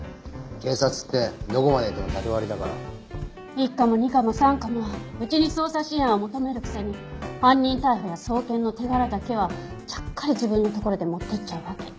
一課も二課も三課もうちに捜査支援は求めるくせに犯人逮捕や送検の手柄だけはちゃっかり自分のところで持っていっちゃうわけ。